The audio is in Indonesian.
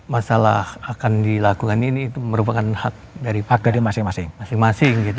masalah akan dilakukan ini merupakan hak dari masing masing